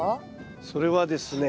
それはですね